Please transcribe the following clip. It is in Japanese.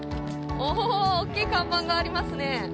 おお、大きい看板がありますね。